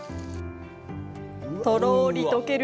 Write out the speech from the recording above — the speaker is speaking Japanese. とろり溶ける